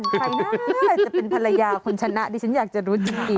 ใครนะใครจะเป็นภรรยาคุณชนะดิฉันอยากจะรู้จริง